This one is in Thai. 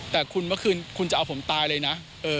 แต่คุณเมื่อคืนคุณจะเอาผมตายเลยนะ